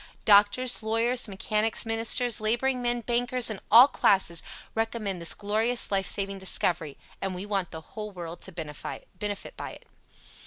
Doctors, Lawyers, Mechanics, Ministers, Laboring Men, Bankers and all classes recommend this glorious life saving discovery, and we want the whole world to benefit by it.